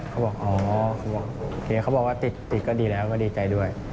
เขาบอกอ๋อเคยเขาบอกว่าติดติดก็ดีแล้วก็ดีใจด้วย